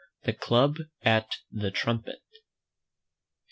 THE CLUB AT "THE TRUMPET."